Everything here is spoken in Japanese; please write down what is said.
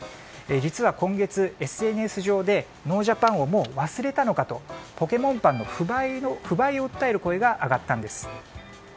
実は今月、ＳＮＳ上でノージャパンをもう忘れたのかとポケモンパンの不買を訴える声が上がったんです。